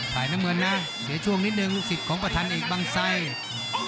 ไฟน้ำเหมือนนะเดี๋ยวช่วงนิดหนึ่งลูกศิษย์ของประธานเอกบางไซค์